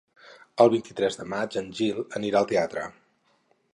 El vint-i-tres de maig en Gil anirà al teatre.